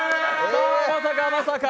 まさかまさか。